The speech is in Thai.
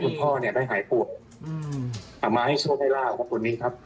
ให้คุณพ่อไม่หายปวดมาให้โชว์เวลาของคนนี้ครับ